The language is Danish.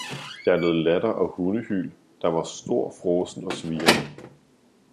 Der lød latter og hundehyl, der var stor fråsen og sviren.